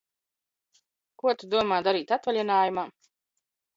Ko Tu domā darīt atvaļinājumā?